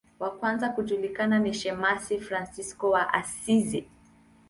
Wa kwanza kujulikana ni shemasi Fransisko wa Asizi.